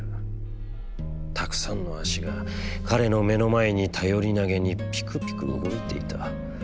たくさんの足が彼の目の前に頼りなげにぴくぴく動いていた。